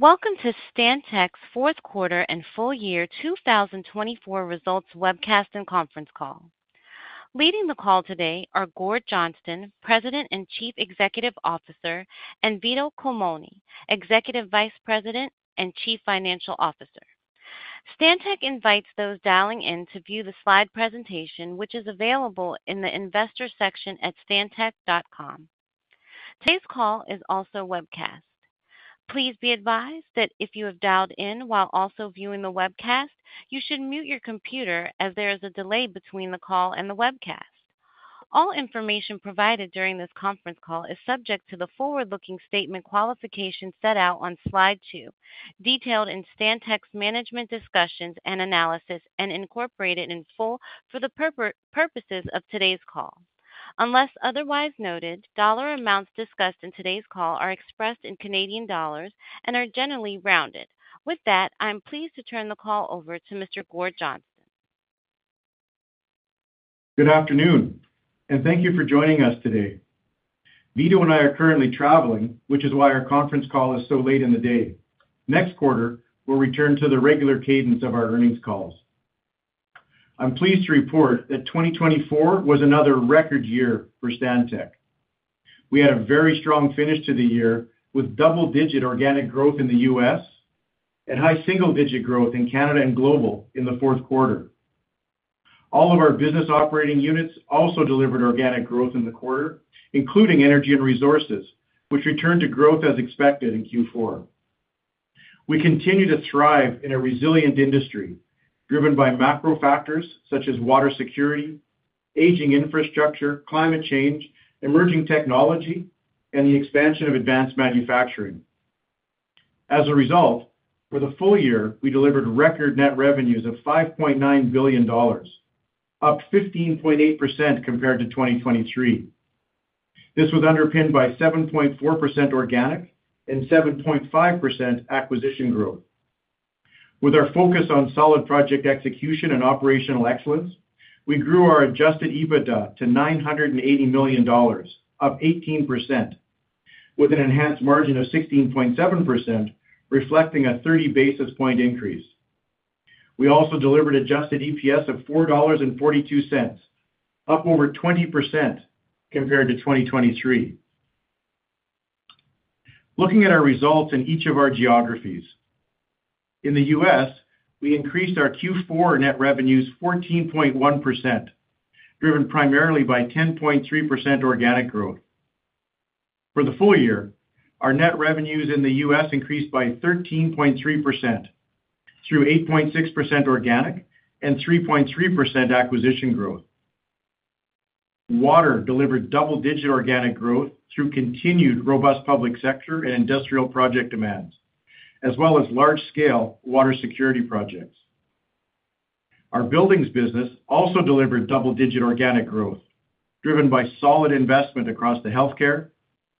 Welcome to Stantec's fourth quarter and full year 2024 results webcast and conference call. Leading the call today are Gord Johnston, President and Chief Executive Officer, and Vito Culmone, Executive Vice President and Chief Financial Officer. Stantec invites those dialing in to view the slide presentation, which is available in the investor section at stantec.com. Today's call is also webcast. Please be advised that if you have dialed in while also viewing the webcast, you should mute your computer as there is a delay between the call and the webcast. All information provided during this conference call is subject to the forward-looking statement qualification set out on slide two, detailed in Stantec's management discussions and analysis, and incorporated in full for the purposes of today's call. Unless otherwise noted, dollar amounts discussed in today's call are expressed in Canadian dollars and are generally rounded. With that, I'm pleased to turn the call over to Mr. Gord Johnston. Good afternoon, and thank you for joining us today. Vito and I are currently traveling, which is why our conference call is so late in the day. Next quarter, we'll return to the regular cadence of our earnings calls. I'm pleased to report that 2024 was another record year for Stantec. We had a very strong finish to the year with double-digit organic growth in the U.S. and high single-digit growth in Canada and globally in the fourth quarter. All of our business operating units also delivered organic growth in the quarter, including energy and resources, which returned to growth as expected in Q4. We continue to thrive in a resilient industry driven by macro factors such as water security, aging infrastructure, climate change, emerging technology, and the expansion of advanced manufacturing. As a result, for the full year, we delivered record net revenues of 5.9 billion dollars, up 15.8% compared to 2023. This was underpinned by 7.4% organic and 7.5% acquisition growth. With our focus on solid project execution and operational excellence, we grew our Adjusted EBITDA to 980 million dollars, up 18%, with an enhanced margin of 16.7%, reflecting a 30 basis point increase. We also delivered adjusted EPS of 4.42 dollars, up over 20% compared to 2023. Looking at our results in each of our geographies, in the U.S., we increased our Q4 net revenues 14.1%, driven primarily by 10.3% organic growth. For the full year, our net revenues in the U.S. increased by 13.3% through 8.6% organic and 3.3% acquisition growth. Water delivered double-digit organic growth through continued robust public sector and industrial project demands, as well as large-scale water security projects. Our buildings business also delivered double-digit organic growth, driven by solid investment across the healthcare,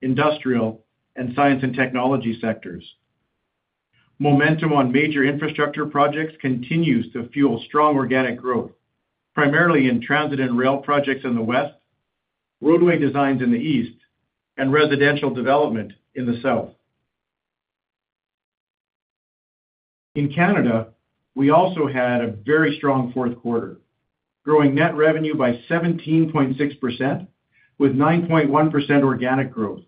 industrial, and science and technology sectors. Momentum on major infrastructure projects continues to fuel strong organic growth, primarily in transit and rail projects in the west, roadway designs in the east, and residential development in the south. In Canada, we also had a very strong fourth quarter, growing net revenue by 17.6% with 9.1% organic growth.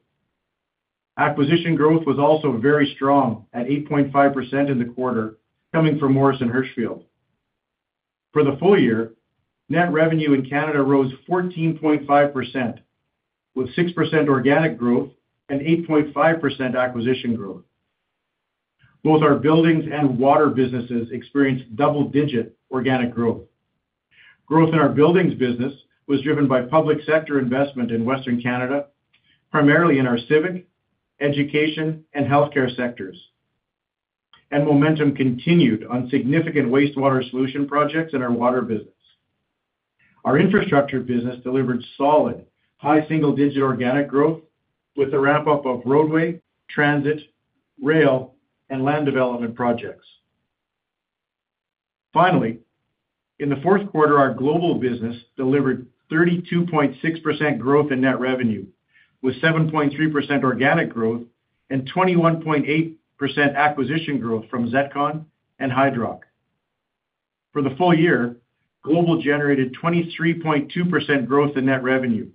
Acquisition growth was also very strong at 8.5% in the quarter, coming from Morrison Hershfield. For the full year, net revenue in Canada rose 14.5% with 6% organic growth and 8.5% acquisition growth. Both our buildings and water businesses experienced double-digit organic growth. Growth in our buildings business was driven by public sector investment in western Canada, primarily in our civic, education, and healthcare sectors, and momentum continued on significant wastewater solution projects in our water business. Our infrastructure business delivered solid high single-digit organic growth with the ramp-up of roadway, transit, rail, and land development projects. Finally, in the fourth quarter, our global business delivered 32.6% growth in net revenue with 7.3% organic growth and 21.8% acquisition growth from ZETCON and Hydrock. For the full year, global generated 23.2% growth in net revenue,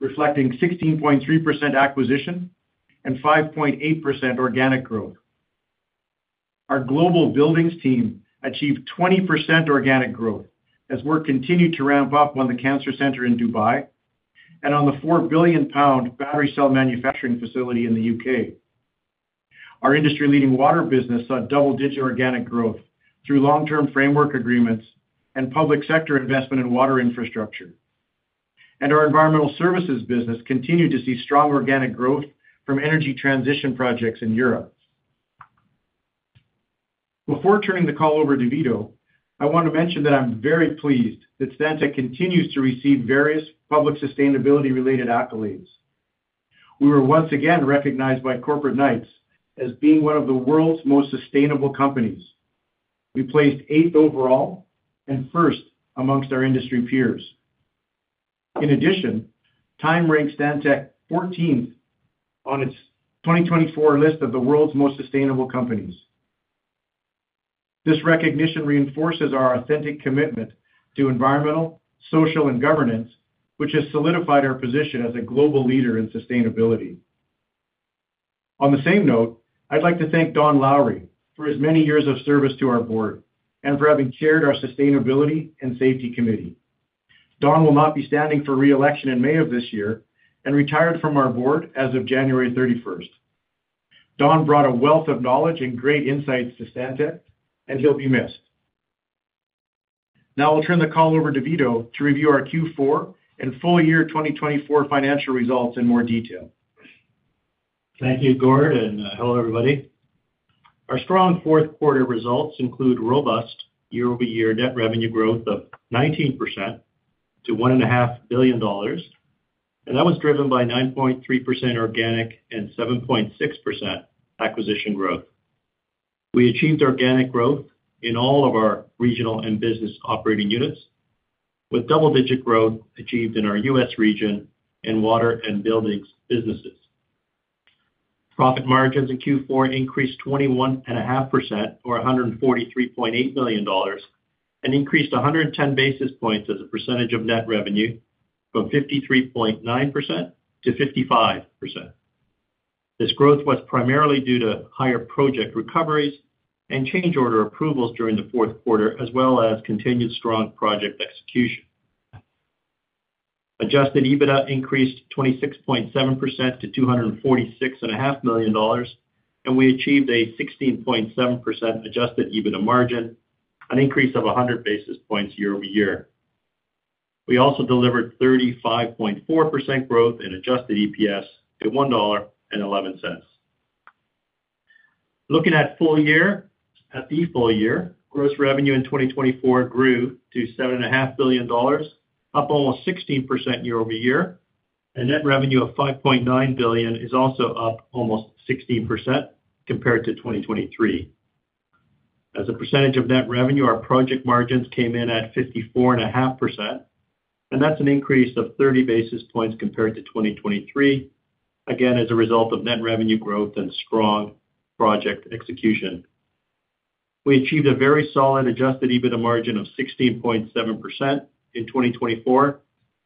reflecting 16.3% acquisition and 5.8% organic growth. Our global buildings team achieved 20% organic growth as work continued to ramp up on the cancer center in Dubai and on the 4 billion pound battery cell manufacturing facility in the U.K. Our industry-leading water business saw double-digit organic growth through long-term framework agreements and public sector investment in water infrastructure, and our environmental services business continued to see strong organic growth from energy transition projects in Europe. Before turning the call over to Vito, I want to mention that I'm very pleased that Stantec continues to receive various public sustainability-related accolades. We were once again recognized by Corporate Knights as being one of the world's most sustainable companies. We placed eighth overall and first among our industry peers. In addition, TIME ranked Stantec 14th on its 2024 list of the world's most sustainable companies. This recognition reinforces our authentic commitment to environmental, social, and governance, which has solidified our position as a global leader in sustainability. On the same note, I'd like to thank Don Lowry for his many years of service to our board and for having chaired our Sustainability and Safety Committee. Don will not be standing for reelection in May of this year and retired from our board as of January 31st. Don brought a wealth of knowledge and great insights to Stantec, and he'll be missed. Now I'll turn the call over to Vito to review our Q4 and full year 2024 financial results in more detail. Thank you, Gord, and hello, everybody. Our strong fourth quarter results include robust year-over-year net revenue growth of 19% to 1.5 billion dollars, and that was driven by 9.3% organic and 7.6% acquisition growth. We achieved organic growth in all of our regional and business operating units, with double-digit growth achieved in our U.S. region and water and buildings businesses. Profit margins in Q4 increased 21.5%, or 143.8 million dollars, and increased 110 basis points as a percentage of net revenue from 53.9% to 55%. This growth was primarily due to higher project recoveries and change order approvals during the fourth quarter, as well as continued strong project execution. Adjusted EBITDA increased 26.7% to 246.5 million dollars, and we achieved a 16.7% adjusted EBITDA margin, an increase of 100 basis points year-over-year. We also delivered 35.4% growth in adjusted EPS to 1.11. Looking at full year, at the full year, gross revenue in 2024 grew to $7.5 billion, up almost 16% year-over-year, and net revenue of $5.9 billion is also up almost 16% compared to 2023. As a percentage of net revenue, our project margins came in at 54.5%, and that's an increase of 30 basis points compared to 2023, again as a result of net revenue growth and strong project execution. We achieved a very solid Adjusted EBITDA margin of 16.7% in 2024,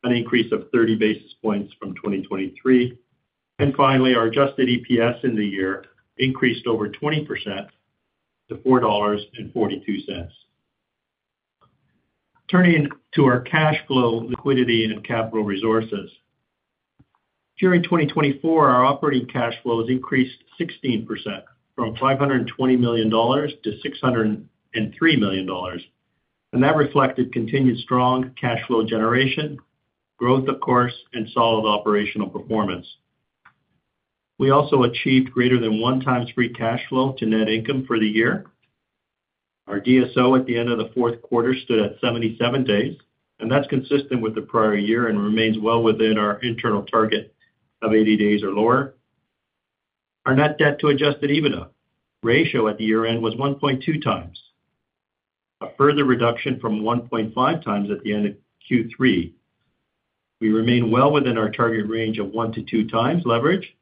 an increase of 30 basis points from 2023. And finally, our Adjusted EPS in the year increased over 20% to $4.42. Turning to our cash flow, liquidity, and capital resources. During 2024, our operating cash flows increased 16% from $520 million to $603 million, and that reflected continued strong cash flow generation, growth, of course, and solid operational performance. We also achieved greater than one-time free cash flow to net income for the year. Our DSO at the end of the fourth quarter stood at 77 days, and that's consistent with the prior year and remains well within our internal target of 80 days or lower. Our net debt to adjusted EBITDA ratio at the year-end was 1.2x, a further reduction from 1.5x at the end of Q3. We remain well within our target range of one to two times leverage,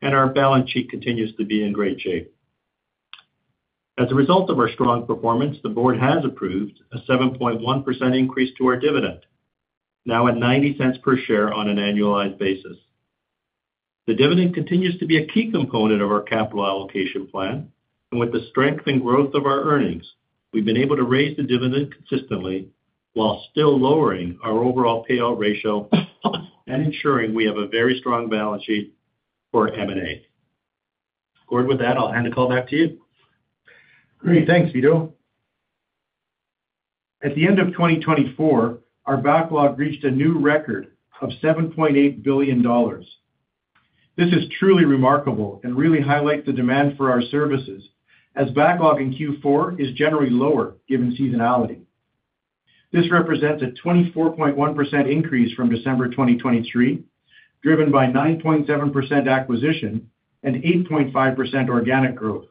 and our balance sheet continues to be in great shape. As a result of our strong performance, the board has approved a 7.1% increase to our dividend, now at 0.90 per share on an annualized basis. The dividend continues to be a key component of our capital allocation plan, and with the strength and growth of our earnings, we've been able to raise the dividend consistently while still lowering our overall payout ratio and ensuring we have a very strong balance sheet for M&A. Gord, with that, I'll hand the call back to you. Great. Thanks, Vito. At the end of 2024, our backlog reached a new record of $7.8 billion. This is truly remarkable and really highlights the demand for our services, as backlog in Q4 is generally lower given seasonality. This represents a 24.1% increase from December 2023, driven by 9.7% acquisition and 8.5% organic growth.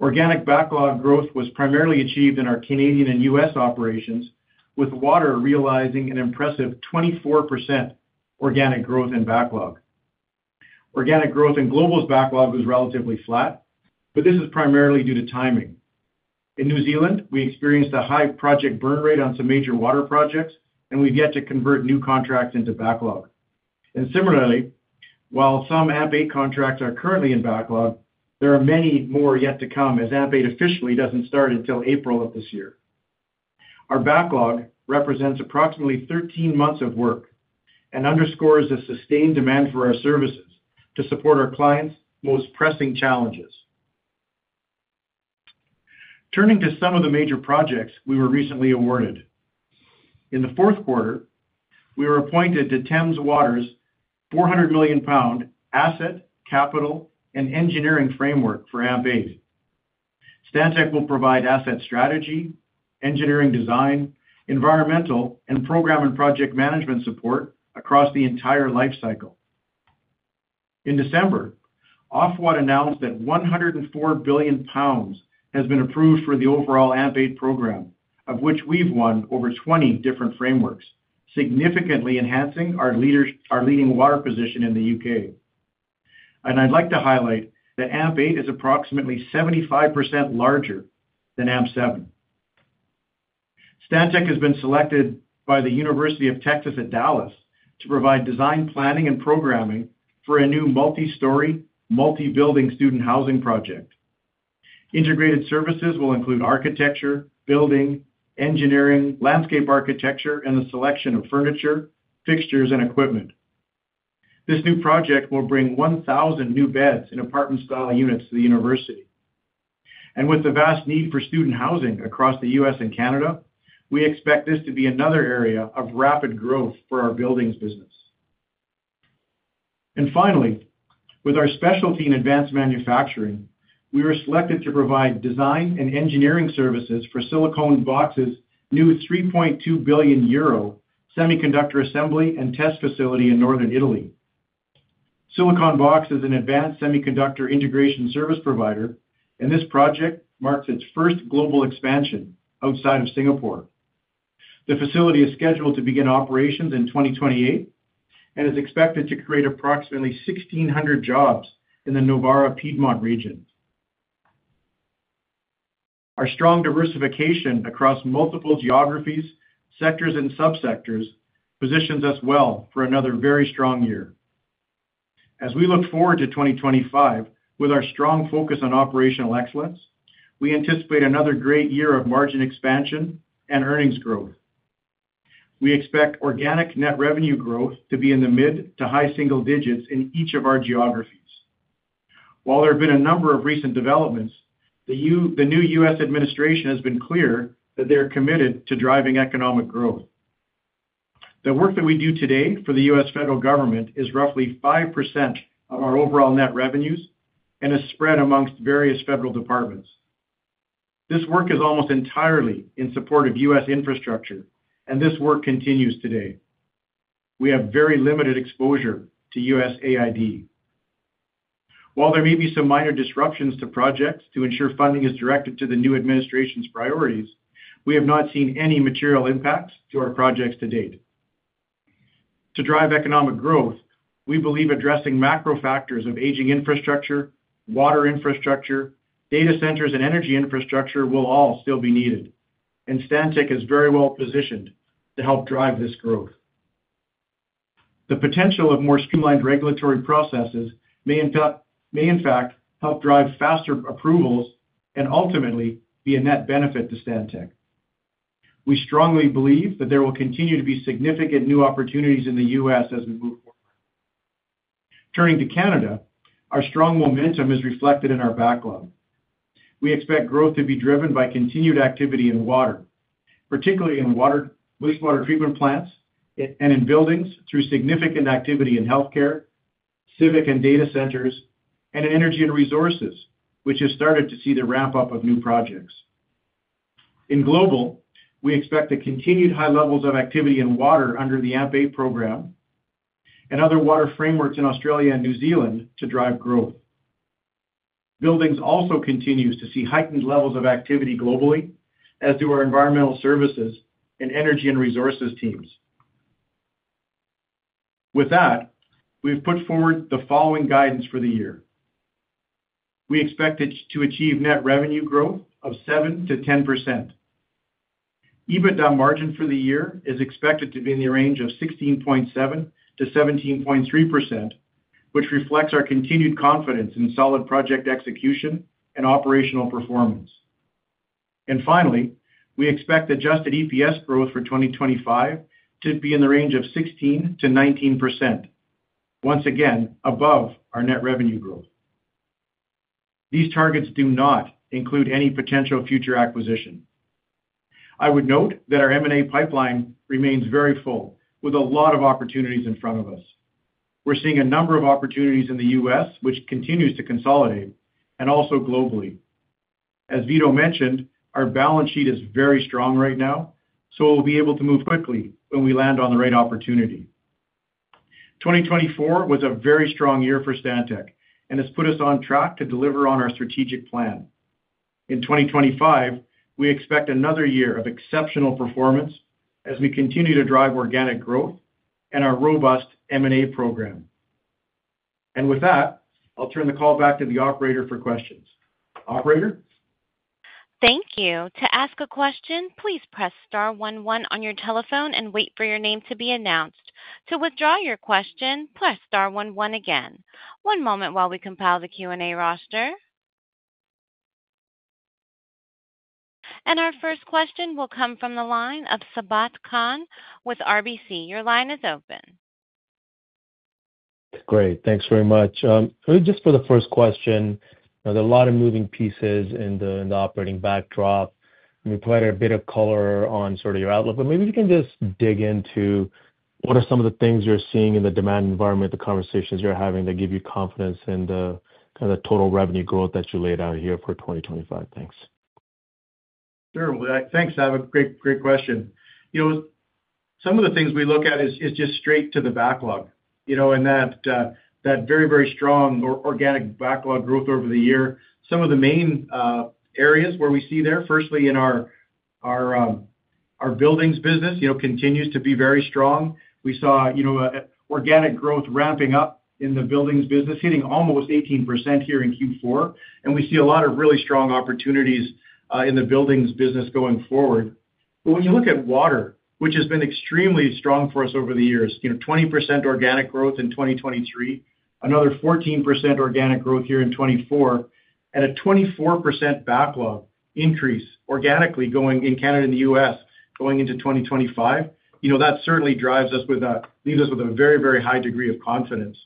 Organic backlog growth was primarily achieved in our Canadian and U.S. operations, with water realizing an impressive 24% organic growth in backlog. Organic growth in global's backlog was relatively flat, but this is primarily due to timing. In New Zealand, we experienced a high project burn rate on some major water projects, and we've yet to convert new contracts into backlog. Similarly, while some AMP8 contracts are currently in backlog, there are many more yet to come as AMP8 officially doesn't start until April of this year. Our backlog represents approximately 13 months of work and underscores the sustained demand for our services to support our clients' most pressing challenges. Turning to some of the major projects we were recently awarded. In the fourth quarter, we were appointed to Thames Water's 400 million pound Asset, Capital, and Engineering framework for AMP8. Stantec will provide asset strategy, engineering design, environmental, and program and project management support across the entire lifecycle. In December, Ofwat announced that 104 billion pounds has been approved for the overall AMP8 program, of which we've won over 20 different frameworks, significantly enhancing our leading water position in the U.K. And I'd like to highlight that AMP8 is approximately 75% larger than AMP7. Stantec has been selected by the University of Texas at Dallas to provide design, planning, and programming for a new multi-story, multi-building student housing project. Integrated services will include architecture, building, engineering, landscape architecture, and the selection of furniture, fixtures, and equipment. This new project will bring 1,000 new beds in apartment-style units to the university. With the vast need for student housing across the U.S. and Canada, we expect this to be another area of rapid growth for our buildings business. Finally, with our specialty in advanced manufacturing, we were selected to provide design and engineering services for Silicon Box's new 3.2 billion euro semiconductor assembly and test facility in northern Italy. Silicon Box is an advanced semiconductor integration service provider, and this project marks its first global expansion outside of Singapore. The facility is scheduled to begin operations in 2028 and is expected to create approximately 1,600 jobs in the Novara-Piedmont region. Our strong diversification across multiple geographies, sectors, and subsectors positions us well for another very strong year. As we look forward to 2025 with our strong focus on operational excellence, we anticipate another great year of margin expansion and earnings growth. We expect organic net revenue growth to be in the mid to high single digits in each of our geographies. While there have been a number of recent developments, the new U.S. administration has been clear that they are committed to driving economic growth. The work that we do today for the U.S. federal government is roughly 5% of our overall net revenues and is spread among various federal departments. This work is almost entirely in support of U.S. infrastructure, and this work continues today. We have very limited exposure to USAID. While there may be some minor disruptions to projects to ensure funding is directed to the new administration's priorities, we have not seen any material impacts to our projects to date. To drive economic growth, we believe addressing macro factors of aging infrastructure, water infrastructure, data centers, and energy infrastructure will all still be needed, and Stantec is very well positioned to help drive this growth. The potential of more streamlined regulatory processes may, in fact, help drive faster approvals and ultimately be a net benefit to Stantec. We strongly believe that there will continue to be significant new opportunities in the U.S. as we move forward. Turning to Canada, our strong momentum is reflected in our backlog. We expect growth to be driven by continued activity in water, particularly in wastewater treatment plants and in buildings through significant activity in healthcare, civic and data centers, and energy and resources, which has started to see the ramp-up of new projects. In global, we expect the continued high levels of activity in water under the AMP8 program and other water frameworks in Australia and New Zealand to drive growth. Buildings also continues to see heightened levels of activity globally, as do our environmental services and energy and resources teams. With that, we've put forward the following guidance for the year. We expect it to achieve net revenue growth of 7%-10%. EBITDA margin for the year is expected to be in the range of 16.7%-17.3%, which reflects our continued confidence in solid project execution and operational performance. And finally, we expect adjusted EPS growth for 2025 to be in the range of 16%-19%, once again above our net revenue growth. These targets do not include any potential future acquisition. I would note that our M&A pipeline remains very full, with a lot of opportunities in front of us. We're seeing a number of opportunities in the U.S., which continues to consolidate, and also globally. As Vito mentioned, our balance sheet is very strong right now, so we'll be able to move quickly when we land on the right opportunity. 2024 was a very strong year for Stantec and has put us on track to deliver on our strategic plan. In 2025, we expect another year of exceptional performance as we continue to drive organic growth and our robust M&A program. And with that, I'll turn the call back to the operator for questions. Operator? Thank you. To ask a question, please press star 11 on your telephone and wait for your name to be announced. To withdraw your question, press star 11 again. One moment while we compile the Q&A roster. And our first question will come from the line of Sabahat Khan with RBC. Your line is open. Great. Thanks very much. Just for the first question, there are a lot of moving pieces in the operating backdrop. We provided a bit of color on sort of your outlook, but maybe we can just dig into what are some of the things you're seeing in the demand environment, the conversations you're having that give you confidence in the kind of total revenue growth that you laid out here for 2025. Thanks. Sure. Thanks. That was a great question. Some of the things we look at is just straight to the backlog. And that very, very strong organic backlog growth over the year, some of the main areas where we see there, firstly in our buildings business, continues to be very strong. We saw organic growth ramping up in the buildings business, hitting almost 18% here in Q4. And we see a lot of really strong opportunities in the buildings business going forward. But when you look at water, which has been extremely strong for us over the years, 20% organic growth in 2023, another 14% organic growth here in 2024, and a 24% backlog increase organically in Canada and the U.S. going into 2025, that certainly leaves us with a very, very high degree of confidence.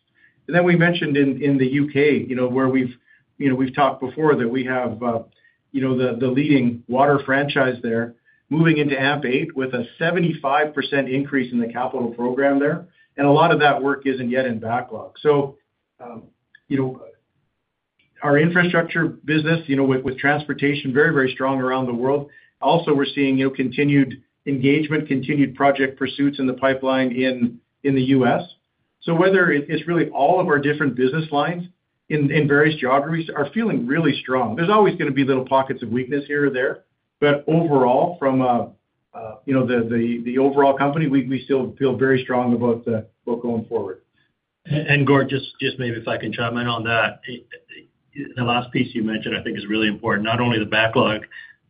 And then we mentioned in the U.K. where we've talked before that we have the leading water franchise there moving into AMP8 with a 75% increase in the capital program there. And a lot of that work isn't yet in backlog. So our infrastructure business with transportation, very, very strong around the world. Also, we're seeing continued engagement, continued project pursuits in the pipeline in the U.S. So whether it's really all of our different business lines in various geographies are feeling really strong. There's always going to be little pockets of weakness here or there, but overall, from the overall company, we still feel very strong about going forward. Gord, just maybe if I can chime in on that, the last piece you mentioned, I think, is really important. Not only the backlog,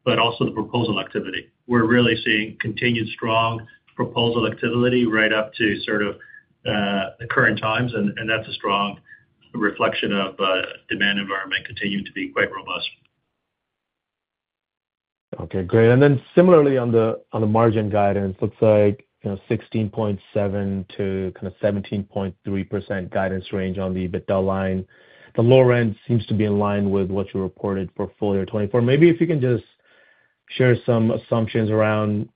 but also the proposal activity. We're really seeing continued strong proposal activity right up to sort of the current times, and that's a strong reflection of demand environment continuing to be quite robust. Okay. Great. And then similarly on the margin guidance, looks like 16.7%-17.3% guidance range on the EBITDA line. The lower end seems to be in line with what you reported for full year 2024. Maybe if you can just share some assumptions around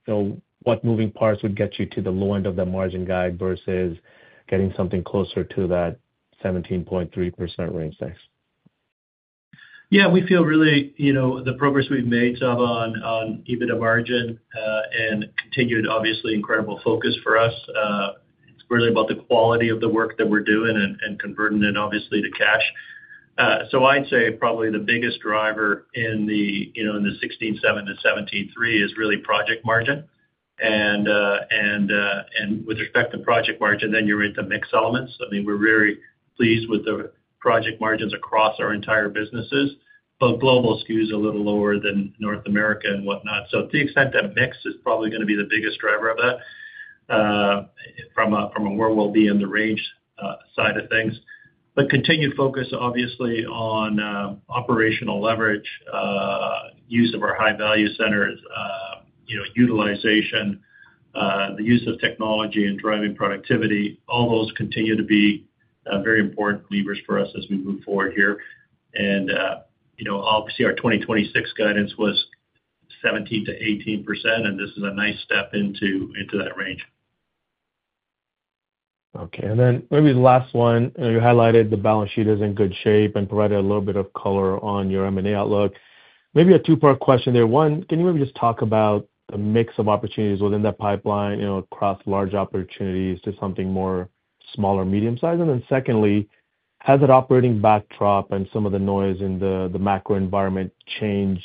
what moving parts would get you to the low end of that margin guide versus getting something closer to that 17.3% range. Thanks. Yeah. We feel really the progress we've made on EBITDA margin and continued, obviously, incredible focus for us. It's really about the quality of the work that we're doing and converting it, obviously, to cash. So I'd say probably the biggest driver in the 16.7%-17.3% is really project margin. And with respect to project margin, then you're into mixed elements. I mean, we're very pleased with the project margins across our entire businesses, but global skews a little lower than North America and whatnot. So to the extent that mix is probably going to be the biggest driver of that from a where we'll be in the range side of things. But continued focus, obviously, on operational leverage, use of our high-value centers, utilization, the use of technology and driving productivity, all those continue to be very important levers for us as we move forward here. Obviously, our 2026 guidance was 17%-18%, and this is a nice step into that range. Okay. And then maybe the last one, you highlighted the balance sheet is in good shape and provided a little bit of color on your M&A outlook. Maybe a two-part question there. One, can you maybe just talk about the mix of opportunities within that pipeline across large opportunities to something more small or medium-sized? And then secondly, has that operating backdrop and some of the noise in the macro environment changed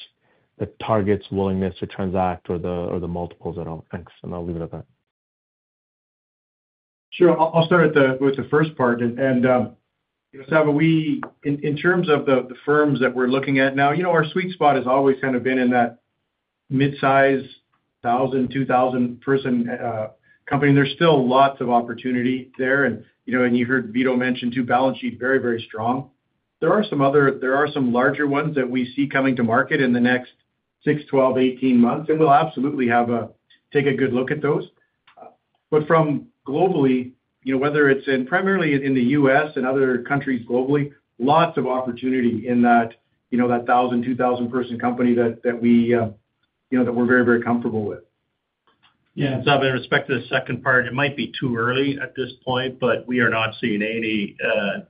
the target's willingness to transact or the multiples at all? Thanks. And I'll leave it at that. Sure. I'll start with the first part. And in terms of the firms that we're looking at now, our sweet spot has always kind of been in that mid-size, 1,000, 2,000-person company. There's still lots of opportunity there. And you heard Vito mention too, balance sheet very, very strong. There are some larger ones that we see coming to market in the next 6, 12, 18 months, and we'll absolutely take a good look at those. But from globally, whether it's primarily in the U.S. and other countries globally, lots of opportunity in that 1,000, 2,000-person company that we're very, very comfortable with. Yeah. And with respect to the second part, it might be too early at this point, but we are not seeing any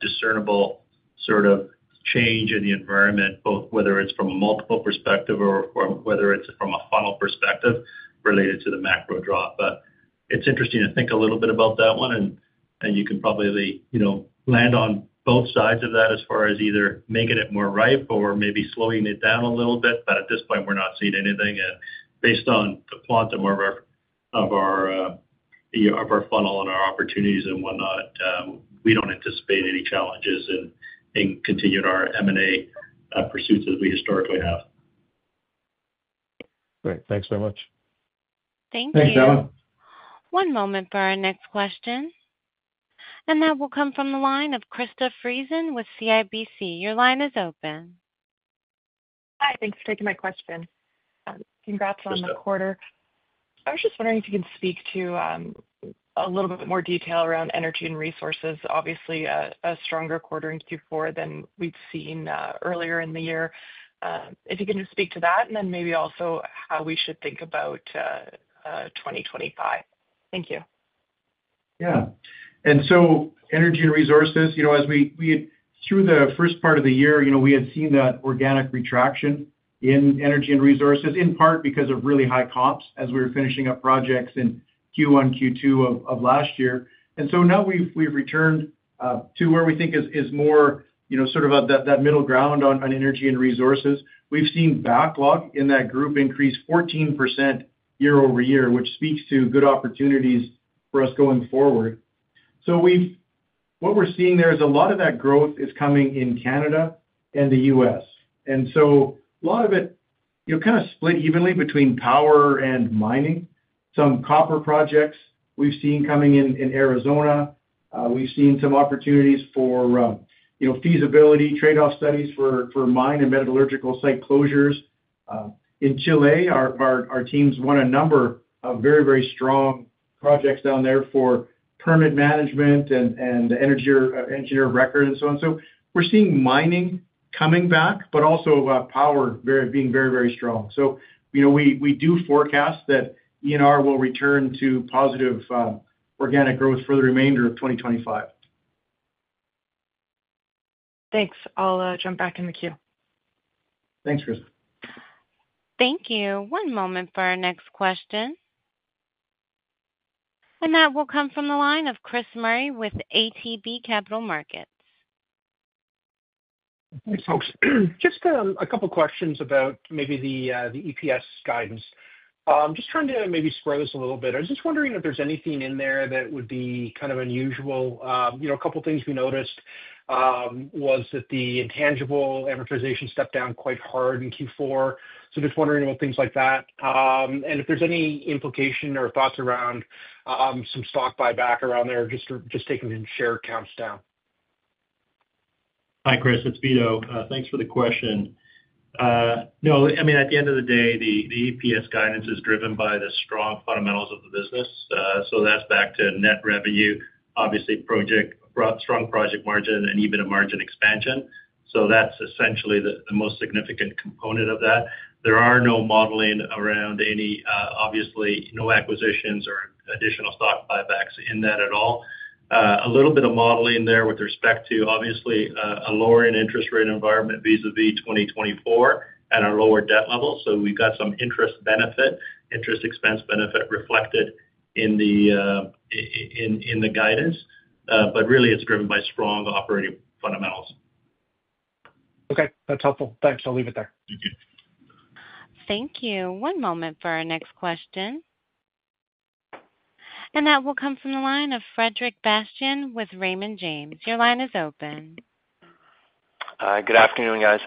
discernible sort of change in the environment, whether it's from a multiple perspective or whether it's from a funnel perspective related to the macro drop. But it's interesting to think a little bit about that one, and you can probably land on both sides of that as far as either making it more ripe or maybe slowing it down a little bit. But at this point, we're not seeing anything. And based on the quantum of our funnel and our opportunities and whatnot, we don't anticipate any challenges in continuing our M&A pursuits as we historically have. Great. Thanks very much. Thank you. Thanks, John. One moment for our next question. That will come from the line of Krista Friesen with CIBC. Your line is open. Hi. Thanks for taking my question. Congrats on the quarter. I was just wondering if you can speak to a little bit more detail around energy and resources. Obviously, a stronger quarter in Q4 than we'd seen earlier in the year. If you can just speak to that, and then maybe also how we should think about 2025? Thank you. Yeah. And so energy and resources, as we went through the first part of the year, we had seen that organic contraction in energy and resources, in part because of really high comps as we were finishing up projects in Q1, Q2 of last year. And so now we've returned to where we think is more sort of that middle ground on energy and resources. We've seen backlog in that group increase 14% year-over-year, which speaks to good opportunities for us going forward. So what we're seeing there is a lot of that growth is coming in Canada and the U.S. And so a lot of it kind of split evenly between power and mining. Some copper projects we've seen coming in Arizona. We've seen some opportunities for feasibility trade-off studies for mine and metallurgical site closures. In Chile, our teams won a number of very, very strong projects down there for permit management and engineering and so on. We're seeing mining coming back, but also power being very, very strong. We do forecast that ENR will return to positive organic growth for the remainder of 2025. Thanks. I'll jump back in the queue. Thanks, Krista. Thank you. One moment for our next question, and that will come from the line of Chris Murray with ATB Capital Markets. Thanks, folks. Just a couple of questions about maybe the EPS guidance. Just trying to maybe spread this a little bit. I was just wondering if there's anything in there that would be kind of unusual. A couple of things we noticed was that the intangible amortization stepped down quite hard in Q4. So just wondering about things like that. And if there's any implication or thoughts around some stock buyback around there, just taking share counts down. Hi, Chris. It's Vito. Thanks for the question. No, I mean, at the end of the day, the EPS guidance is driven by the strong fundamentals of the business. So that's back to net revenue, obviously, strong project margin, and even a margin expansion. So that's essentially the most significant component of that. There are no modeling around any, obviously, no acquisitions or additional stock buybacks in that at all. A little bit of modeling there with respect to, obviously, a lowering interest rate environment vis-à-vis 2024 and our lower debt level. So we've got some interest benefit, interest expense benefit reflected in the guidance, but really it's driven by strong operating fundamentals. Okay. That's helpful. Thanks. I'll leave it there. Thank you. Thank you. One moment for our next question. And that will come from the line of Frederic Bastien with Raymond James. Your line is open. Hi. Good afternoon, guys.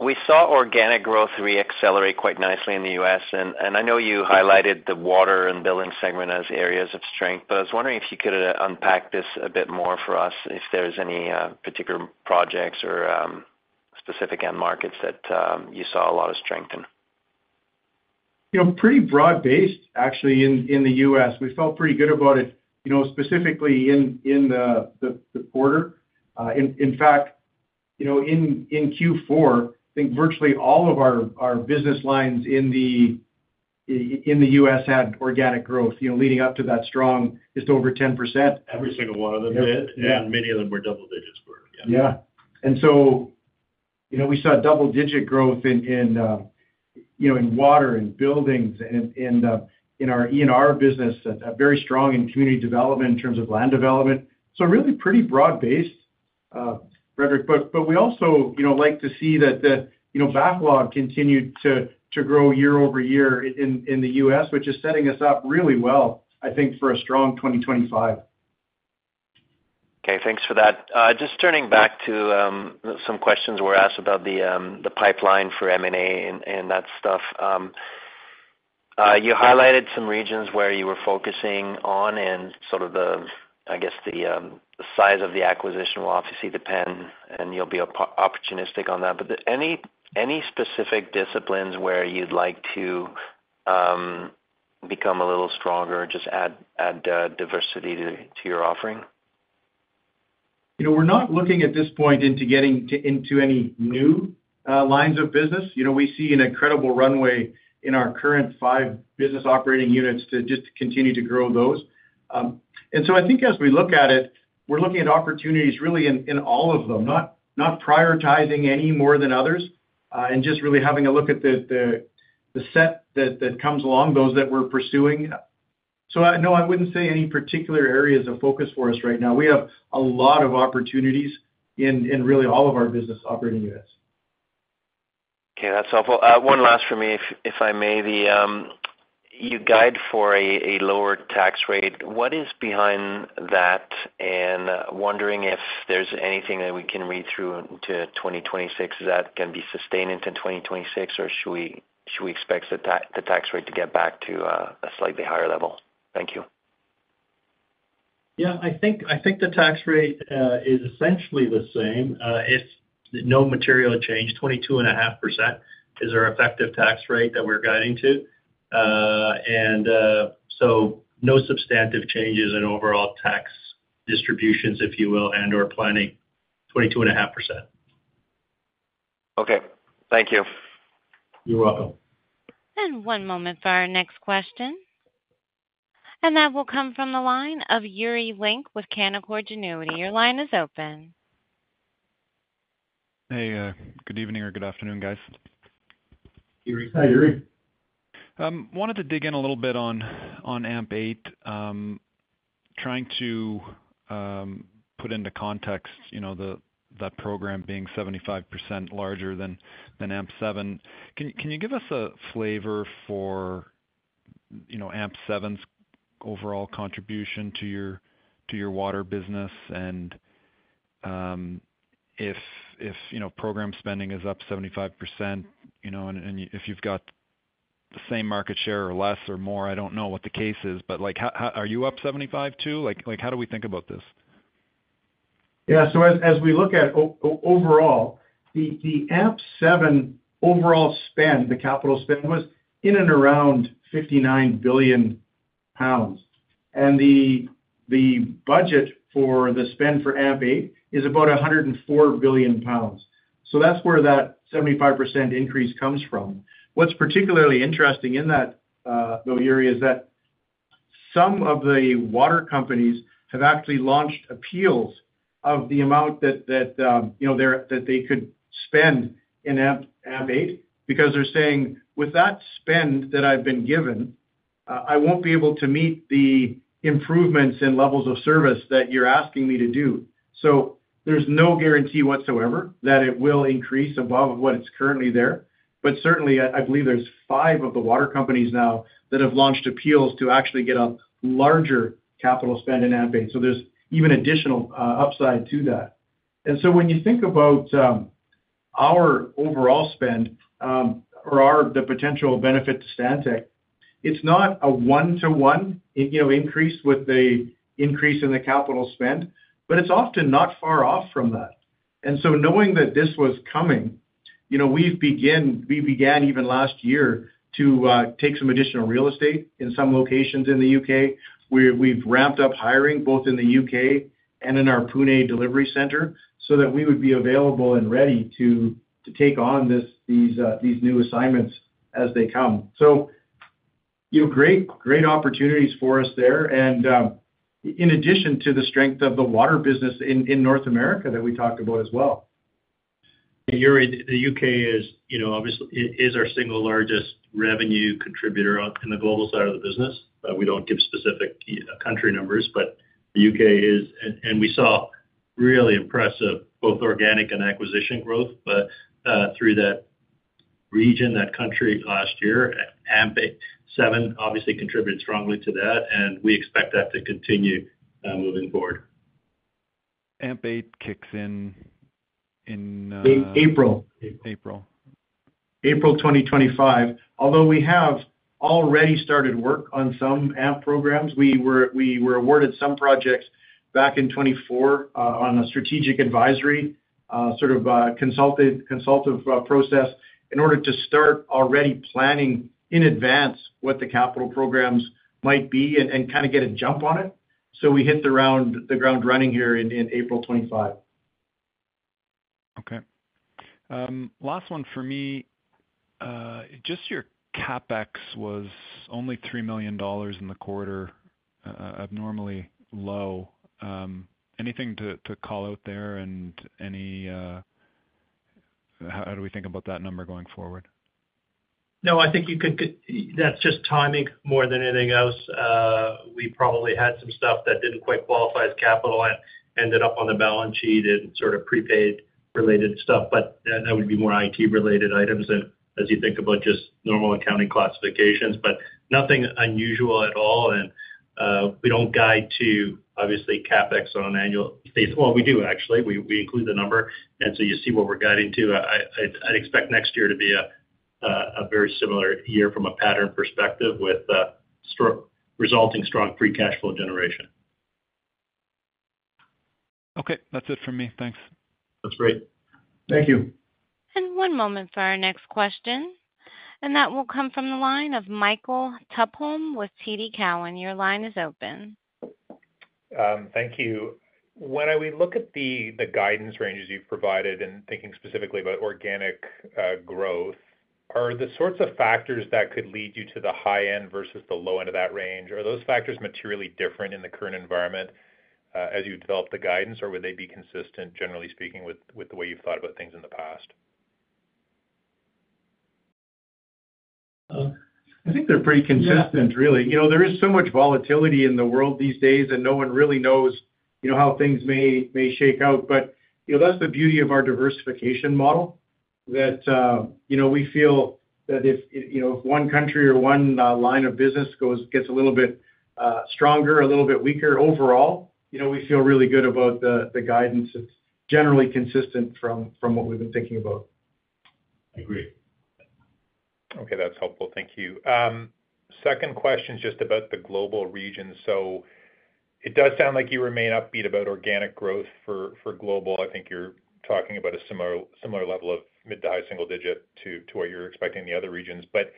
We saw organic growth reaccelerate quite nicely in the U.S., and I know you highlighted the water and building segment as areas of strength, but I was wondering if you could unpack this a bit more for us if there's any particular projects or specific end markets that you saw a lot of strength in? Pretty broad-based, actually, in the U.S. We felt pretty good about it, specifically in the quarter. In fact, in Q4, I think virtually all of our business lines in the U.S. had organic growth leading up to that strong just over 10%. Every single one of them did, and many of them were double digits for it. Yeah, and so we saw double-digit growth in water and buildings and in our ENR business, very strong in community development in terms of land development, so really pretty broad-based, Frederic, but we also like to see that the backlog continued to grow year over year in the U.S., which is setting us up really well, I think, for a strong 2025. Okay. Thanks for that. Just turning back to some questions we were asked about the pipeline for M&A and that stuff. You highlighted some regions where you were focusing on and sort of the, I guess, the size of the acquisition will obviously depend, and you'll be opportunistic on that. But any specific disciplines where you'd like to become a little stronger or just add diversity to your offering? We're not looking at this point into getting into any new lines of business. We see an incredible runway in our current five business operating units to just continue to grow those. And so I think as we look at it, we're looking at opportunities really in all of them, not prioritizing any more than others, and just really having a look at the set that comes along, those that we're pursuing. So no, I wouldn't say any particular areas of focus for us right now. We have a lot of opportunities in really all of our business operating units. Okay. That's helpful. One last for me, if I may. You guide for a lower tax rate. What is behind that? And wondering if there's anything that we can read through into 2026. Is that going to be sustained into 2026, or should we expect the tax rate to get back to a slightly higher level? Thank you. Yeah. I think the tax rate is essentially the same. No material change. 22.5% is our effective tax rate that we're guiding to. And so no substantive changes in overall tax distributions, if you will, and/or planning. 22.5%. Okay. Thank you. You're welcome. One moment for our next question. That will come from the line of Yuri Lynk with Canaccord Genuity. Your line is open. Hey. Good evening or good afternoon, guys. Yuri. Hi, Yuri. Wanted to dig in a little bit on AMP8, trying to put into context that program being 75% larger than AMP7. Can you give us a flavor for AMP7's overall contribution to your water business? And if program spending is up 75%, and if you've got the same market share or less or more, I don't know what the case is, but are you up 75% too? How do we think about this? Yeah. So as we look at overall, the AMP7 overall spend, the capital spend, was in and around 59 billion pounds. And the budget for the spend for AMP8 is about 104 billion pounds. So that's where that 75% increase comes from. What's particularly interesting in that, though, Yuri, is that some of the water companies have actually launched appeals of the amount that they could spend in AMP8 because they're saying, "With that spend that I've been given, I won't be able to meet the improvements in levels of service that you're asking me to do." So there's no guarantee whatsoever that it will increase above what it's currently there. But certainly, I believe there's five of the water companies now that have launched appeals to actually get a larger capital spend in AMP8. So there's even additional upside to that. And so when you think about our overall spend or the potential benefit to Stantec, it's not a one-to-one increase with the increase in the capital spend, but it's often not far off from that. And so knowing that this was coming, we began even last year to take some additional real estate in some locations in the U.K. We've ramped up hiring both in the U.K. and in our Pune delivery center so that we would be available and ready to take on these new assignments as they come. So great opportunities for us there. And in addition to the strength of the water business in North America that we talked about as well. Yuri, the U.K. is obviously our single largest revenue contributor in the global side of the business. We don't give specific country numbers, but the U.K. is, and we saw really impressive both organic and acquisition growth through that region, that country last year. AMP7 obviously contributed strongly to that, and we expect that to continue moving forward. AMP8 kicks in. April. April. April 2025. Although we have already started work on some AMP programs, we were awarded some projects back in 2024 on a strategic advisory sort of consultative process in order to start already planning in advance what the capital programs might be and kind of get a jump on it. So we hit the ground running here in April 2025. Okay. Last one for me. Just your CapEx was only 3 million dollars in the quarter, abnormally low. Anything to call out there? And how do we think about that number going forward? No, I think you could. That's just timing more than anything else. We probably had some stuff that didn't quite qualify as capital and ended up on the balance sheet and sort of prepaid-related stuff. But that would be more IT-related items as you think about just normal accounting classifications, but nothing unusual at all. And we don't guide to, obviously, CapEx on an annual basis. Well, we do, actually. We include the number. And so you see what we're guiding to. I'd expect next year to be a very similar year from a pattern perspective with resulting strong free cash flow generation. Okay. That's it for me. Thanks. That's great. Thank you. One moment for our next question. That will come from the line of Michael Tupholme with TD Cowen. Your line is open. Thank you. When we look at the guidance ranges you've provided and thinking specifically about organic growth, are the sorts of factors that could lead you to the high end versus the low end of that range, are those factors materially different in the current environment as you develop the guidance, or would they be consistent, generally speaking, with the way you've thought about things in the past? I think they're pretty consistent, really. There is so much volatility in the world these days, and no one really knows how things may shake out. But that's the beauty of our diversification model that we feel that if one country or one line of business gets a little bit stronger, a little bit weaker overall, we feel really good about the guidance. It's generally consistent from what we've been thinking about. Agreed. Okay. That's helpful. Thank you. Second question is just about the global region. So it does sound like you remain upbeat about organic growth for global. I think you're talking about a similar level of mid- to high-single-digit to what you're expecting in the other regions. But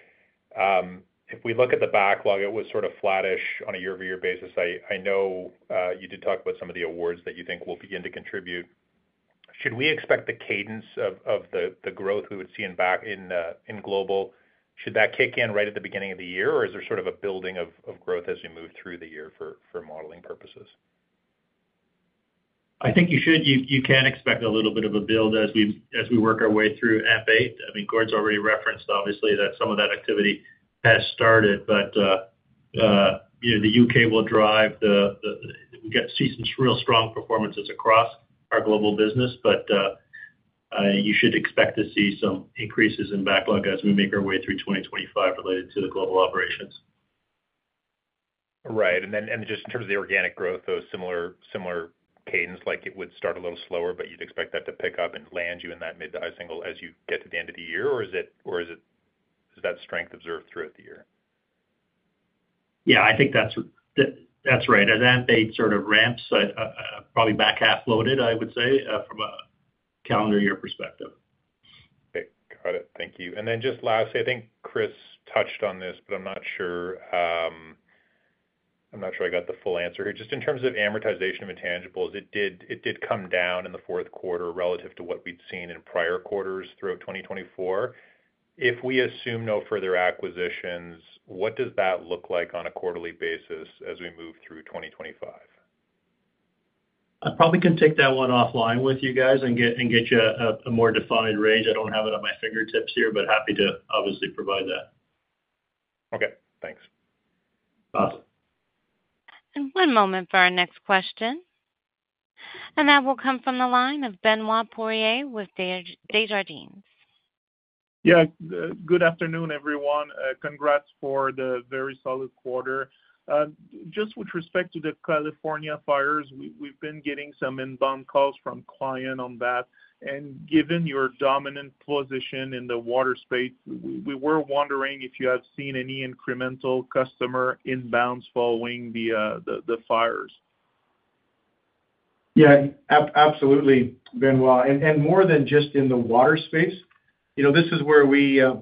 if we look at the backlog, it was sort of flattish on a year-over-year basis. I know you did talk about some of the awards that you think will begin to contribute. Should we expect the cadence of the growth we would see in global, should that kick in right at the beginning of the year, or is there sort of a building of growth as we move through the year for modeling purposes? I think you should. You can expect a little bit of a build as we work our way through AMP8. I mean, Gord's already referenced, obviously, that some of that activity has started, but the U.K. will drive that we get to see some real strong performances across our global business, but you should expect to see some increases in backlog as we make our way through 2025 related to the global operations. Right. And then just in terms of the organic growth, though, similar cadence, like it would start a little slower, but you'd expect that to pick up and land you in that mid to high single as you get to the end of the year, or is that strength observed throughout the year? Yeah. I think that's right. As AMP8 sort of ramps, probably back half loaded, I would say, from a calendar year perspective. Okay. Got it. Thank you. And then just lastly, I think Chris touched on this, but I'm not sure I got the full answer here. Just in terms of amortization of intangibles, it did come down in the fourth quarter relative to what we'd seen in prior quarters throughout 2024. If we assume no further acquisitions, what does that look like on a quarterly basis as we move through 2025? I probably can take that one offline with you guys and get you a more defined range. I don't have it at my fingertips here, but happy to obviously provide that. Okay. Thanks. Awesome. One moment for our next question. That will come from the line of Benoit Poirier with Desjardins. Yeah. Good afternoon, everyone. Congrats for the very solid quarter. Just with respect to the California fires, we've been getting some inbound calls from clients on that. And given your dominant position in the water space, we were wondering if you have seen any incremental customer inbounds following the fires? Yeah. Absolutely, Benoit. And more than just in the water space, this is where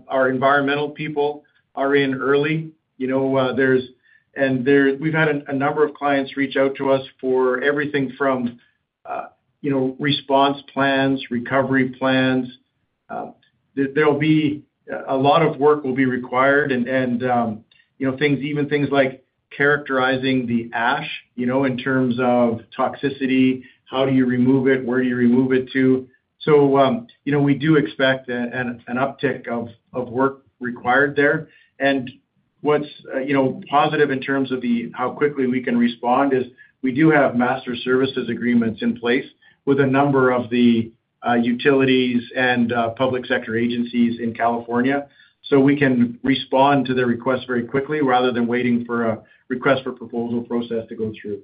our environmental people are in early. And we've had a number of clients reach out to us for everything from response plans, recovery plans. There'll be a lot of work will be required, and even things like characterizing the ash in terms of toxicity, how do you remove it, where do you remove it to. So we do expect an uptick of work required there. And what's positive in terms of how quickly we can respond is we do have master services agreements in place with a number of the utilities and public sector agencies in California. So we can respond to their requests very quickly rather than waiting for a request for proposal process to go through.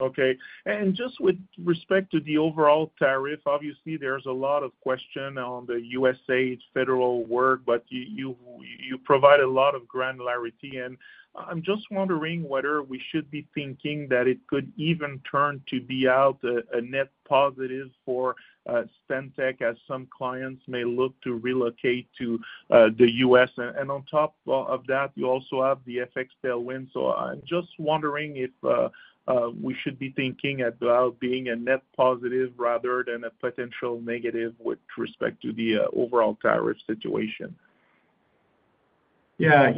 Okay. And just with respect to the overall tariff, obviously, there's a lot of question on the USAID federal work, but you provide a lot of granularity. And I'm just wondering whether we should be thinking that it could even turn to be out a net positive for Stantec as some clients may look to relocate to the U.S. And on top of that, you also have the FX tailwind. So I'm just wondering if we should be thinking about being a net positive rather than a potential negative with respect to the overall tariff situation. Yeah.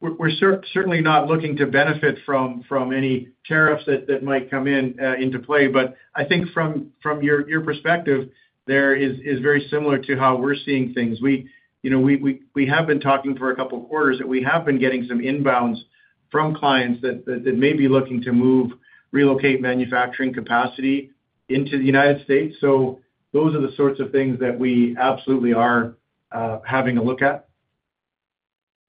We're certainly not looking to benefit from any tariffs that might come into play. But I think from your perspective, there is very similar to how we're seeing things. We have been talking for a couple of quarters that we have been getting some inbounds from clients that may be looking to relocate manufacturing capacity into the United States. So those are the sorts of things that we absolutely are having a look at.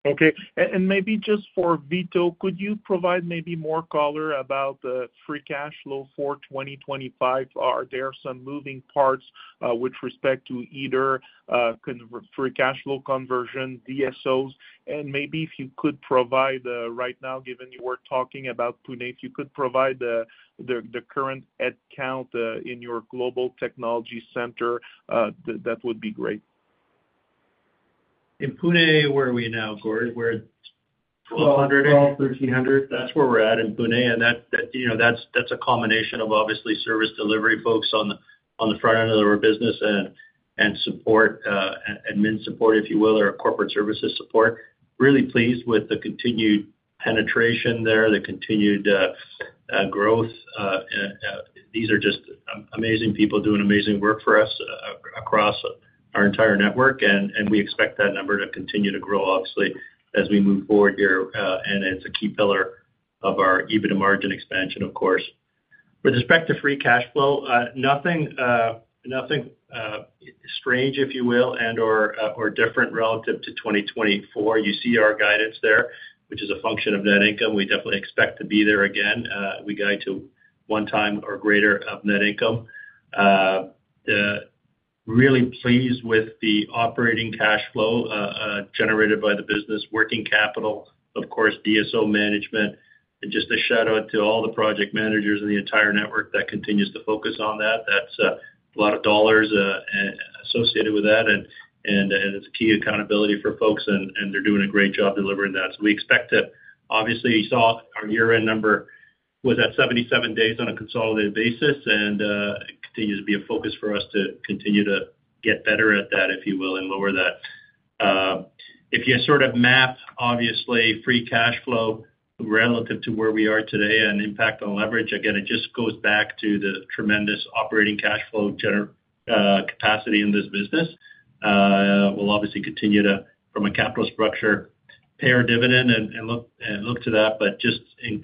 Okay. And maybe just for Vito, could you provide maybe more color about the free cash flow for 2025? Are there some moving parts with respect to either free cash flow conversion, DSOs? And maybe if you could provide right now, given you were talking about Pune, if you could provide the current headcount in your global technology center, that would be great. In Pune, where are we now, Gord? We're at 1,200. 1,200, 1,300. That's where we're at in Pune. And that's a combination of, obviously, service delivery folks on the front end of our business and support, admin support, if you will, or corporate services support. Really pleased with the continued penetration there, the continued growth. These are just amazing people doing amazing work for us across our entire network. And we expect that number to continue to grow, obviously, as we move forward here. And it's a key pillar of our EBITDA margin expansion, of course. With respect to free cash flow, nothing strange, if you will, and/or different relative to 2024. You see our guidance there, which is a function of net income. We definitely expect to be there again. We guide to one time or greater of net income. Really pleased with the operating cash flow generated by the business, working capital, of course, DSO management, and just a shout-out to all the project managers and the entire network that continues to focus on that. That's a lot of dollars associated with that, and it's key accountability for folks, and they're doing a great job delivering that, so we expect to, obviously, you saw our year-end number was at 77 days on a consolidated basis, and it continues to be a focus for us to continue to get better at that, if you will, and lower that. If you sort of map, obviously, free cash flow relative to where we are today and impact on leverage, again, it just goes back to the tremendous operating cash flow capacity in this business. We'll obviously continue to, from a capital structure, pay our dividend and look to that, but just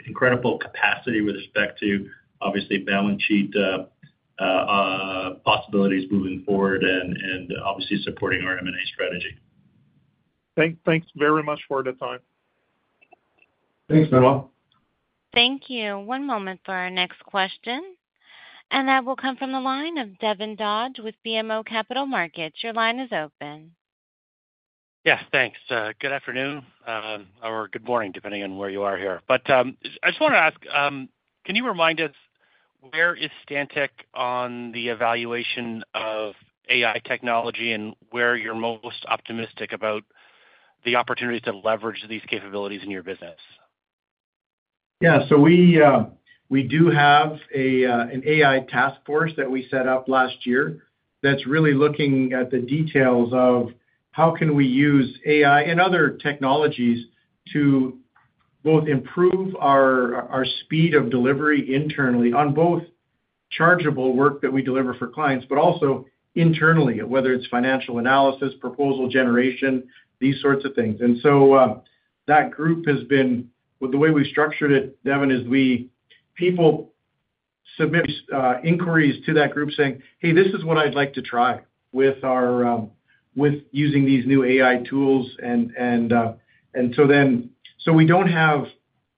incredible capacity with respect to, obviously, balance sheet possibilities moving forward and obviously supporting our M&A strategy. Thanks very much for the time. Thanks, Benoit. Thank you. One moment for our next question. And that will come from the line of Devin Dodge with BMO Capital Markets. Your line is open. Yes. Thanks. Good afternoon or good morning, depending on where you are here. But I just want to ask, can you remind us where is Stantec on the evaluation of AI technology and where you're most optimistic about the opportunities to leverage these capabilities in your business? Yeah. So we do have an AI task force that we set up last year that's really looking at the details of how can we use AI and other technologies to both improve our speed of delivery internally on both chargeable work that we deliver for clients, but also internally, whether it's financial analysis, proposal generation, these sorts of things. And so that group has been the way we structured it, Devin, is we submit inquiries to that group saying, "Hey, this is what I'd like to try with using these new AI tools." And so we don't have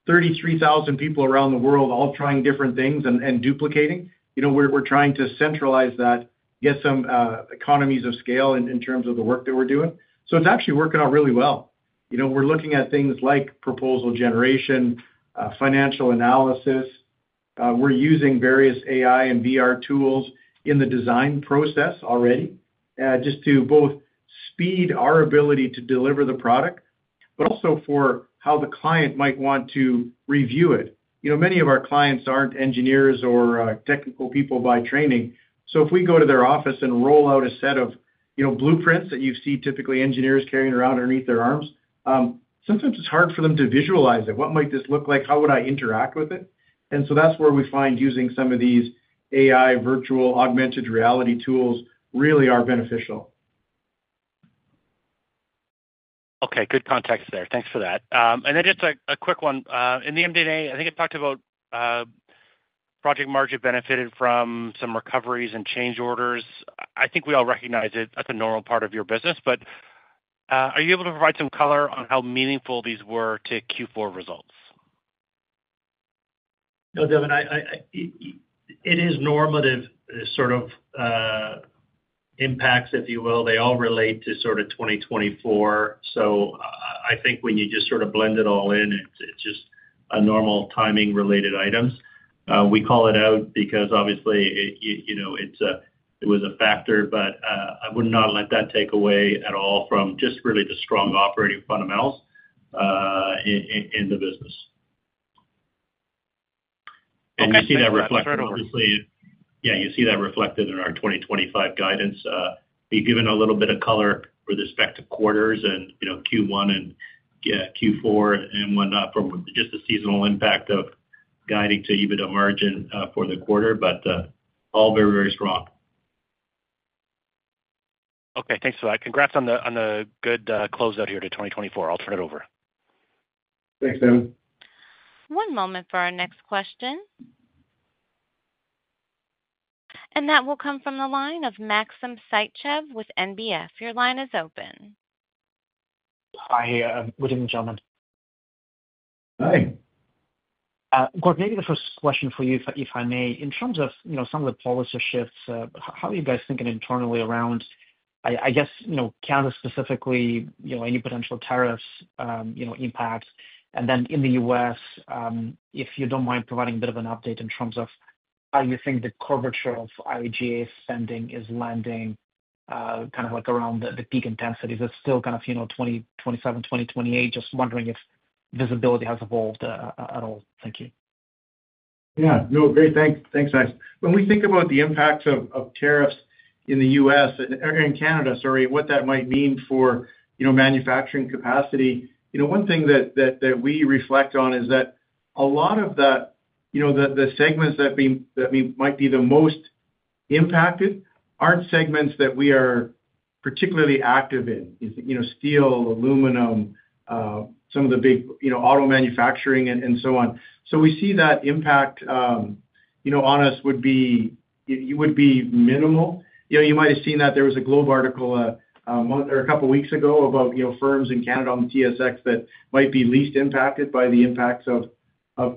33,000 people around the world all trying different things and duplicating. We're trying to centralize that, get some economies of scale in terms of the work that we're doing. So it's actually working out really well. We're looking at things like proposal generation, financial analysis. We're using various AI and VR tools in the design process already just to both speed our ability to deliver the product, but also for how the client might want to review it. Many of our clients aren't engineers or technical people by training. So if we go to their office and roll out a set of blueprints that you see typically engineers carrying around underneath their arms, sometimes it's hard for them to visualize it. What might this look like? How would I interact with it? That's where we find using some of these AI virtual augmented reality tools really are beneficial. Okay. Good context there. Thanks for that and then just a quick one. In the M&A, I think I talked about project margin benefited from some recoveries and change orders. I think we all recognize that's a normal part of your business, but are you able to provide some color on how meaningful these were to Q4 results? No, Devin. It is normal sort of impacts, if you will. They all relate to sort of 2024. So I think when you just sort of blend it all in, it's just normal timing-related items. We call it out because, obviously, it was a factor, but I would not let that take away at all from just really the strong operating fundamentals in the business. And you see that reflected, obviously. Okay. That's very helpful. Yeah. You see that reflected in our 2025 guidance. We've given a little bit of color with respect to quarters and Q1 and Q4 and whatnot from just the seasonal impact of guiding to EBITDA margin for the quarter, but all very, very strong. Okay. Thanks for that. Congrats on the good closeout here to 2024. I'll turn it over. Thanks, Ben. One moment for our next question, and that will come from the line of Maxim Sytchev with NBF. Your line is open. Hi, good evening, gentlemen. Hi. Gord, maybe the first question for you, if I may. In terms of some of the policy shifts, how are you guys thinking internally around, I guess, Canada specifically, any potential tariffs impact? And then in the U.S., if you don't mind providing a bit of an update in terms of how you think the curvature of IIJA spending is landing kind of around the peak intensity. Is it still kind of 2027, 2028? Just wondering if visibility has evolved at all. Thank you. Yeah. No, great. Thanks, Maxim. When we think about the impact of tariffs in the U.S. and Canada, sorry, what that might mean for manufacturing capacity, one thing that we reflect on is that a lot of the segments that might be the most impacted aren't segments that we are particularly active in: steel, aluminum, some of the big auto manufacturing, and so on. So we see that impact on us would be minimal. You might have seen that there was a Globe and Mail article a couple of weeks ago about firms in Canada on TSX that might be least impacted by the impacts of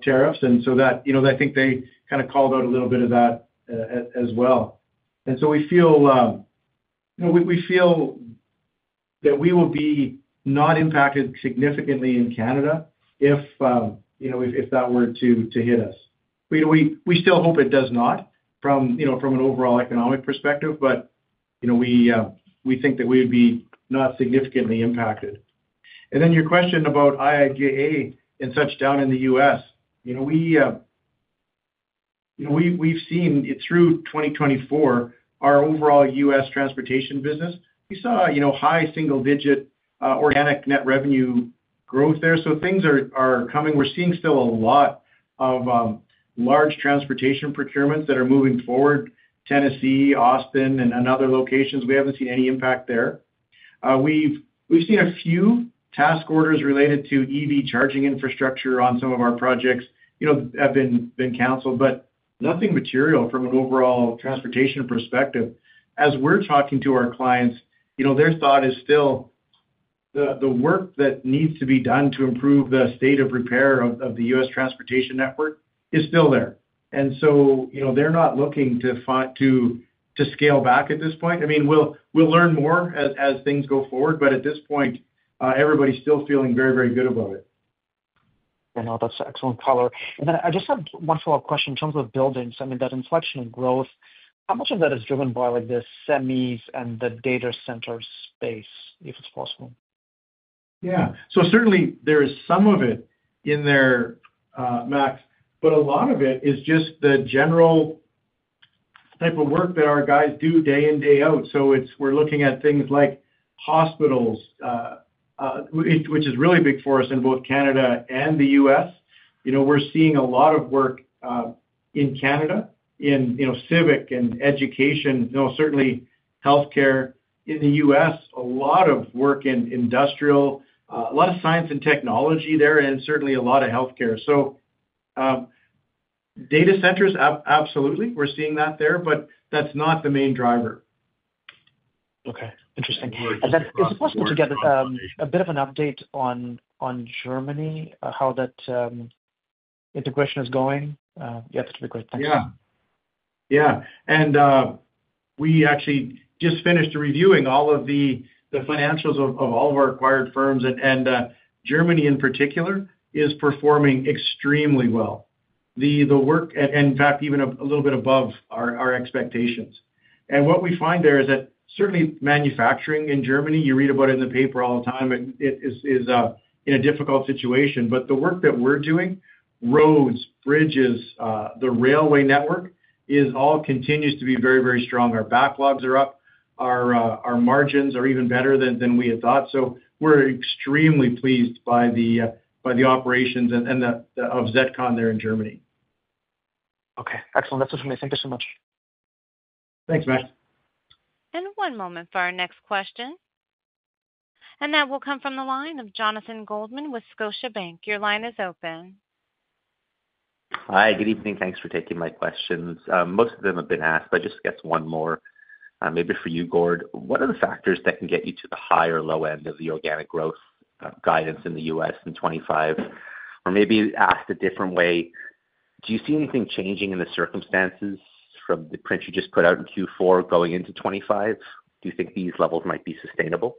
tariffs. And so I think they kind of called out a little bit of that as well. And so we feel that we will be not impacted significantly in Canada if that were to hit us. We still hope it does not from an overall economic perspective, but we think that we would be not significantly impacted, and then your question about IIJA and such down in the U.S., we've seen through 2024, our overall U.S. transportation business, we saw high single-digit organic net revenue growth there, so things are coming. We're seeing still a lot of large transportation procurements that are moving forward: Tennessee, Austin, and other locations. We haven't seen any impact there. We've seen a few task orders related to EV charging infrastructure on some of our projects have been canceled, but nothing material from an overall transportation perspective. As we're talking to our clients, their thought is still the work that needs to be done to improve the state of repair of the U.S. transportation network is still there, and so they're not looking to scale back at this point. I mean, we'll learn more as things go forward, but at this point, everybody's still feeling very, very good about it. Yeah. No, that's excellent color. And then I just have one follow-up question in terms of buildings. I mean, that inflection in growth, how much of that is driven by the semis and the data center space, if it's possible? Yeah. So certainly, there is some of it in there, Max, but a lot of it is just the general type of work that our guys do day in, day out. So we're looking at things like hospitals, which is really big for us in both Canada and the U.S. We're seeing a lot of work in Canada in civic and education, certainly healthcare in the U.S., a lot of work in industrial, a lot of science and technology there, and certainly a lot of healthcare. So data centers, absolutely. We're seeing that there, but that's not the main driver. Okay. Interesting. And then is it possible to get a bit of an update on Germany, how that integration is going? Yeah, that would be great. Thanks. Yeah. Yeah. And we actually just finished reviewing all of the financials of all of our acquired firms. And Germany, in particular, is performing extremely well. The work, in fact, even a little bit above our expectations. And what we find there is that certainly manufacturing in Germany, you read about it in the paper all the time, is in a difficult situation. But the work that we're doing, roads, bridges, the railway network, all continues to be very, very strong. Our backlogs are up. Our margins are even better than we had thought. So we're extremely pleased by the operations of ZETCON there in Germany. Okay. Excellent. That's all from me. Thank you so much. Thanks, Maxim. One moment for our next question. That will come from the line of Jonathan Goldman with Scotiabank. Your line is open. Hi. Good evening. Thanks for taking my questions. Most of them have been asked, but I just guess one more, maybe for you, Gord. What are the factors that can get you to the high or low end of the organic growth guidance in the U.S. in 2025? Or maybe asked a different way, do you see anything changing in the circumstances from the print you just put out in Q4 going into 2025? Do you think these levels might be sustainable?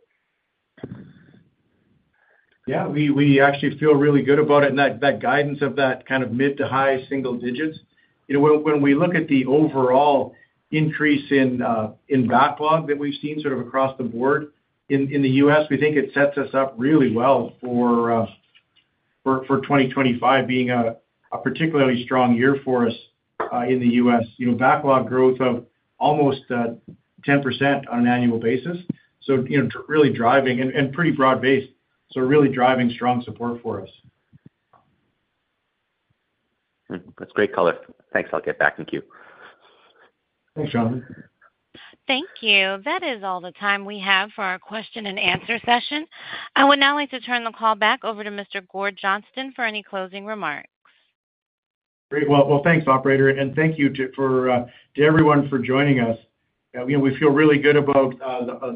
Yeah. We actually feel really good about it. And that guidance of that kind of mid to high single digits, when we look at the overall increase in backlog that we've seen sort of across the board in the U.S., we think it sets us up really well for 2025 being a particularly strong year for us in the U.S. Backlog growth of almost 10% on an annual basis. So really driving and pretty broad-based. So really driving strong support for us. That's great color. Thanks. I'll get back in queue. Thanks, John. Thank you. That is all the time we have for our question-and-answer session. I would now like to turn the call back over to Mr. Gord Johnston for any closing remarks. Great. Well, thanks, operator. And thank you to everyone for joining us. We feel really good about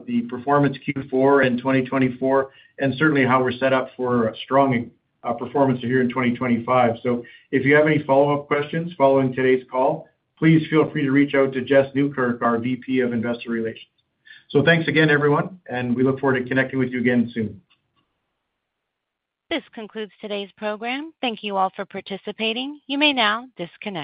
the performance Q4 in 2024 and certainly how we're set up for strong performance here in 2025. So if you have any follow-up questions following today's call, please feel free to reach out to Jess Nieukerk, our VP of Investor Relations. So thanks again, everyone. And we look forward to connecting with you again soon. This concludes today's program. Thank you all for participating. You may now disconnect.